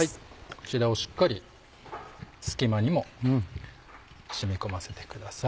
こちらをしっかり隙間にも染み込ませてください。